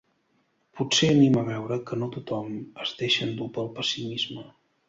Potser anima veure que no tothom es deixa endur pel pessimisme.